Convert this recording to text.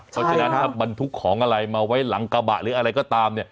เพราะฉะนั้นถ้าบรรทุกของอะไรมาไว้หลังกระบะหรืออะไรก็ตาม